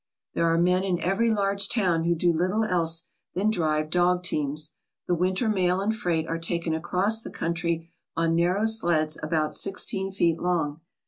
There are men in every large town who do little else than drive dog teams. The winter mail and freight are taken across the country on narrow sleds about sixteen feet long.